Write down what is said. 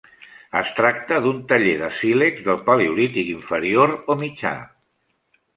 Es tracta d'un taller de sílex del paleolític inferior o mitjà.